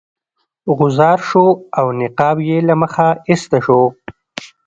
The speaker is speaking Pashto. غوځار شو او نقاب یې له مخه ایسته شو.